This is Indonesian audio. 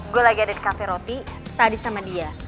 gue lagi ada di cafe roti tadi sama dia